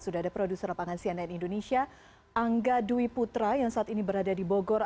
sudah ada produser lapangan cnn indonesia angga dwi putra yang saat ini berada di bogor